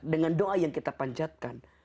dengan doa yang kita panjatkan